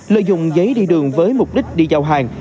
lợi dụng giấy đi đường với mục đích đi giao hàng